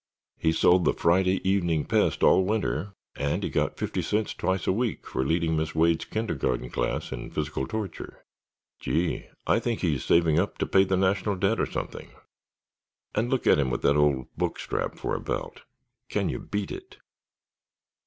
He sold the Friday Evening Pest all winter and he got fifty cents twice a week for leading Miss Wade's kindergarten class in physical torture; gee, I think he's saving up to pay the national debt, or something! And look at him with that old book strap for a belt. Can you beat it!"